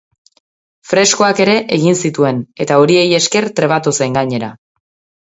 Freskoak ere egin zituen, eta horiei esker trebatu zen gainera.